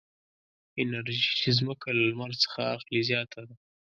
انرژي چې ځمکه له لمر څخه اخلي زیاته ده.